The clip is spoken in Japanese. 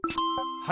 はい。